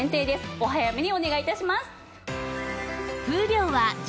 お早めにお願い致します。